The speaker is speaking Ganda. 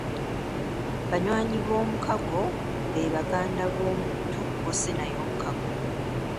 Banywanyi b’omukago be baganda b’omuntu gw’osse naye omukago.